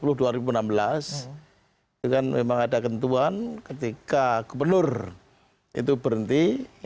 itu kan memang ada ketentuan ketika gubernur itu berhenti